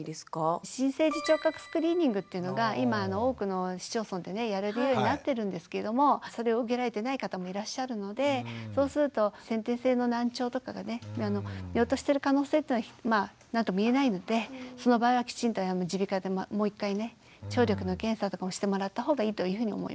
新生児聴覚スクリーニングっていうのが今多くの市町村でやれるようになってるんですけれどもそれを受けられてない方もいらっしゃるのでそうすると先天性の難聴とかがね見落としてる可能性というのはまあ何とも言えないのでその場合はきちんと耳鼻科でもう一回ね聴力の検査とかもしてもらった方がいいというふうに思います。